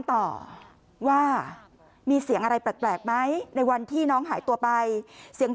ต่อว่ามีเสียงอะไรแปลกไหมในวันที่น้องหายตัวไปเสียง